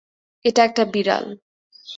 এটা একটা বিড়াল।